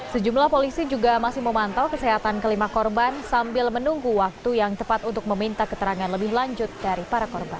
sejumlah polisi juga masih memantau kesehatan kelima korban sambil menunggu waktu yang tepat untuk meminta keterangan lebih lanjut dari para korban